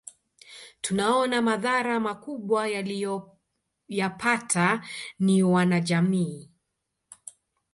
Tunaona madhara makubwa waliyoyapata ni wanajamii